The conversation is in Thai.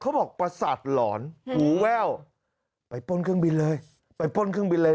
ประสาทหลอนหูแว่วไปป้นเครื่องบินเลยไปป้นเครื่องบินเลย